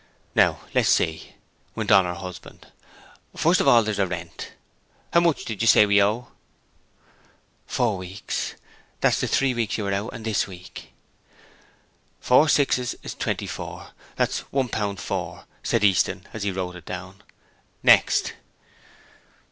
'Now, let's see,' went on her husband. 'First of all there's the rent. How much did you say we owe?' 'Four weeks. That's the three weeks you were out and this week.' 'Four sixes is twenty four; that's one pound four,' said Easton as he wrote it down. 'Next?'